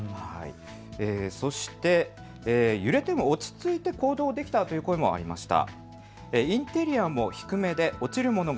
そして揺れても落ち着いて行動できたという声もありました。